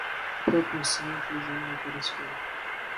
Propulsão utilizando matéria escura